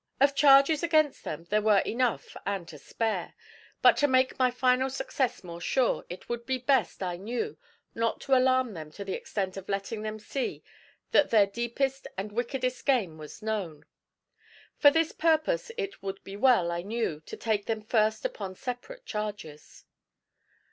Of charges against them there were enough and to spare; but to make my final success more sure, it would be best, I knew, not to alarm them to the extent of letting them see that their deepest and wickedest game was known. For this purpose it would be well, I knew, to take them first upon separate charges.